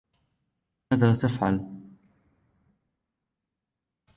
ماذا تفعلی؟